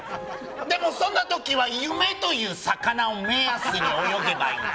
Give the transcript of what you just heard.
でも、そんな時は夢という魚を目安に泳げばいい。